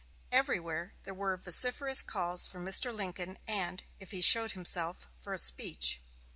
Everywhere there were vociferous calls for Mr. Lincoln, and, if he showed himself, for a speech.